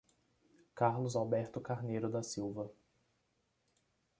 Carlos Alberto Carneiro da Silva